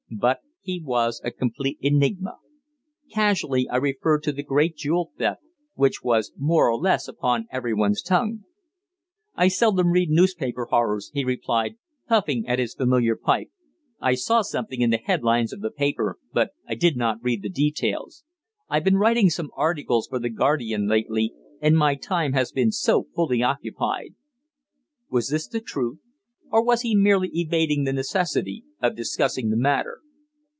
But he was a complete enigma. Casually I referred to the great jewel theft, which was more or less upon every one's tongue. "I seldom read newspaper horrors," he replied, puffing at his familiar pipe. "I saw something in the head lines of the paper, but I did not read the details. I've been writing some articles for the Guardian lately, and my time has been so fully occupied." Was this the truth? Or was he merely evading the necessity of discussing the matter?